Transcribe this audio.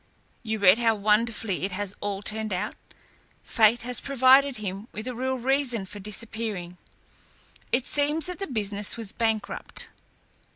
You read how wonderfully it has all turned out? Fate has provided him with a real reason for disappearing. It seems that the business was bankrupt."